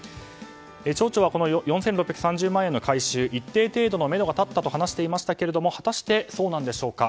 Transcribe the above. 町長は４６３０万円の回収一定程度のめどが立ったと話していましたが果たしてそうなんでしょうか。